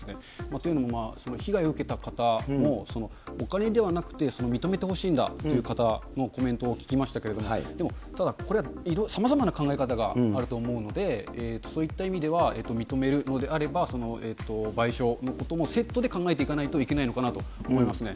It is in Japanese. というのも、被害を受けた方もお金ではなくて、認めてほしいんだという方のコメントを聞きましたけれども、でも、ただこれはさまざまな考え方があると思うので、そういった意味では、認めるのであれば、賠償のこともセットで考えていかないといけないのかなと思いますね。